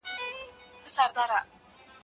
جهاني په دې وطن کي چي هر کاڼی کړې را پورته